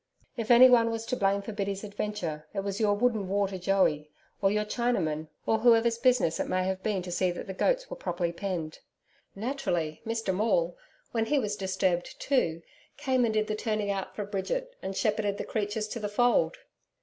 If anyone was to blame for Biddy's adventure, it was your wood and water joey or your Chinamen or whoever's business it may have been to see that the goats were properly penned. Naturally, Mr Maule, when he was disturbed too, came and did the turning out for Bridget and shepherded the creatures to the fold.